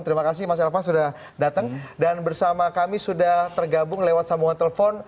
terima kasih mas elvan sudah datang dan bersama kami sudah tergabung lewat sambungan telepon